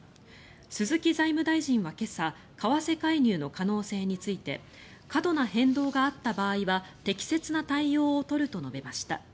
鈴木財務大臣は今朝為替介入の可能性について過度な変動があった場合は適切な対応を取ると述べました。